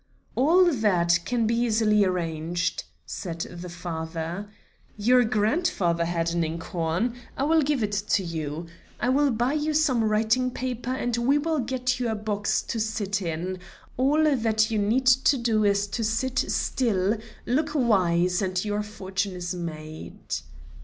"All that can be easily arranged," said the father; "your grandfather had an ink horn; I will give it you; I will buy you some writing paper, and we will get you a box to sit in; all that you need to do is to sit still, look wise and your fortune is made."